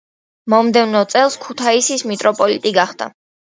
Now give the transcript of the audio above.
მომდევნო წელს ქუთაისის მიტროპოლიტი გახდა.